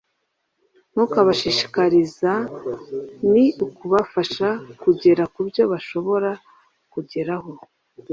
nukubashishikariza. ni ukubafasha kugera ku byo bashobora kugeraho